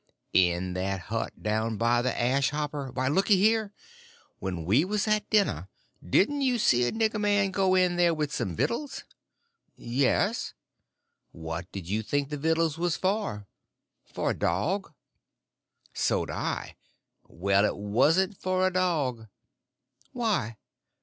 "In that hut down by the ash hopper. Why, looky here. When we was at dinner, didn't you see a nigger man go in there with some vittles?" "Yes." "What did you think the vittles was for?" "For a dog." "So 'd I. Well, it wasn't for a dog." "Why?"